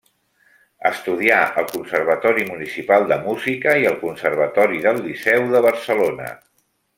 Estudià al Conservatori Municipal de Música i al Conservatori del Liceu de Barcelona.